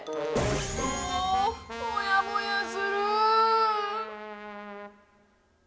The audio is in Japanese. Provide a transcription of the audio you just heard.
もーもやもやする。